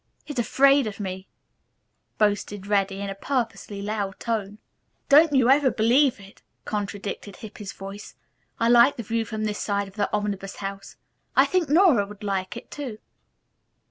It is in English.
"He's afraid of me," boasted Reddy in a purposely loud tone. "Don't you ever believe it," contradicted Hippy's voice. "I like the view from this side of the Omnibus House. I think Nora would like it, too."